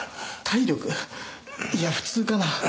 いや普通かな。